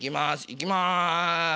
いきます。